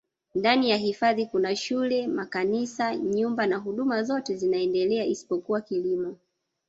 ndani ya hifadhi Kuna shule makanisa nyumba na huduma zote zinaendelea isipokuwa kilimo